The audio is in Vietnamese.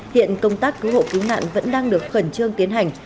hiện công tác cứu hộ cứu nạn vẫn đang được khẩn trương tiến hành